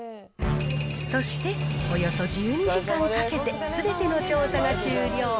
そして、およそ１２時間かけて、すべての調査が終了。